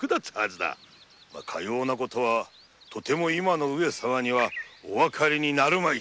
かような事はとても今の上様にはおわかりになるまい。